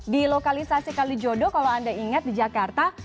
di lokalisasi kalijodo kalau anda ingat di jakarta